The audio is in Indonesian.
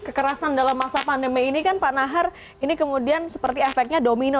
kekerasan dalam masa pandemi ini kan pak nahar ini kemudian seperti efeknya domino